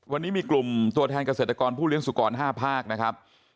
วันนี้มีกลุ่มตัวแทนเกษตรกรผู้เลี้ยสุกร๕ภาคนะครับ